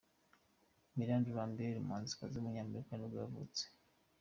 Miranda Lambert, umuhanzikazi w’umunyamerika nibwo yavutse.